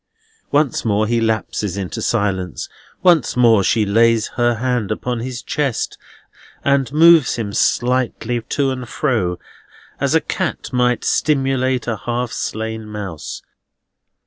Once more he lapses into silence. Once more she lays her hand upon his chest, and moves him slightly to and fro, as a cat might stimulate a half slain mouse.